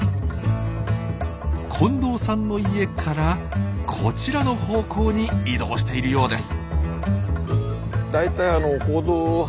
近藤さんの家からこちらの方向に移動しているようです。